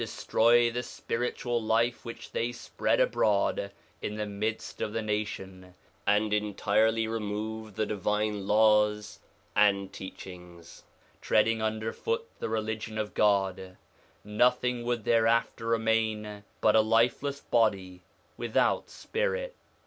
ON THE INFLUENCE OF THE PROPHETS 61 destroy the spiritual life which they spread abroad in the midst of the nation, and entirely remove the divine laws and teachings, treading under foot the Religion of God : nothing would thereafter remain but a lifeless body without spirit.